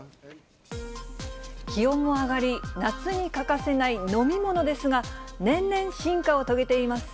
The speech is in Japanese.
気温も上がり、夏に欠かせない飲み物ですが、年々進化を遂げています。